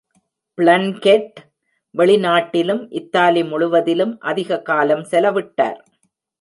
ப்ளன்கெட் வெளிநாட்டிலும் இத்தாலி முழுவதிலும் அதிக காலம் செலவிட்டார்.